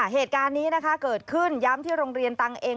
เหตุการณ์นี้นะคะเกิดขึ้นย้ำที่โรงเรียนตังเอง